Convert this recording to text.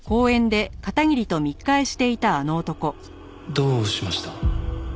どうしました？